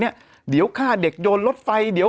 มันติดคุกออกไปออกมาได้สองเดือน